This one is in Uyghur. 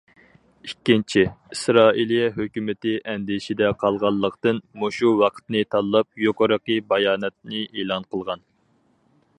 ئىككىنچى، ئىسرائىلىيە ھۆكۈمىتى ئەندىشىدە قالغانلىقتىن، مۇشۇ ۋاقىتنى تاللاپ يۇقىرىقى باياناتنى ئېلان قىلغان.